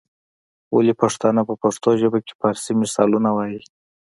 ولي پښتانه په پښتو ژبه کي فارسي مثالونه وايي؟